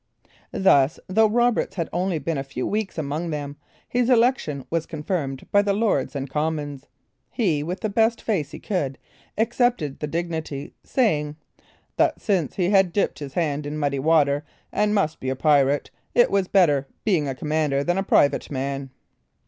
Thus, though Roberts had only been a few weeks among them, his election was confirmed by the Lords and Commons. He, with the best face he could, accepted of the dignity, saying, "that since he had dipped his hands in muddy water, and must be a pirate, it was better being a commander than a private man."